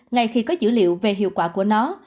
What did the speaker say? ngay khi có dữ liệu về hiệu quả của nó